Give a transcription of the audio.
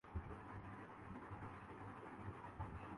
جسے ہنستے کھیلتے عبور کر کے